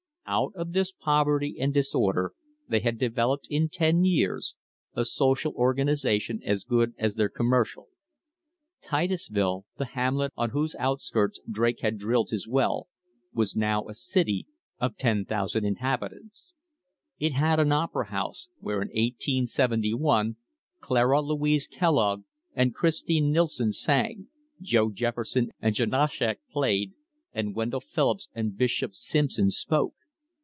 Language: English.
Out of this poverty and disorder they had developed in ten years a social organisation as good as their commercial. Titusville, the hamlet on whose outskirts Drake had drilled I; well, was now a city of 10,000 inhabitants. It had an opera I*, THE HISTORY OF THE STANDARD OIL COMPANY house, where in 1871 Clara Louise Kellogg and Christine Nilsson sang, Joe Jefferson and Janauschek played, and Wen dell Phillips and Bishop Simpson spoke.